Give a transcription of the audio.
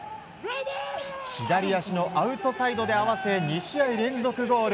左足のアウトサイドで合わせ２試合連続ゴール。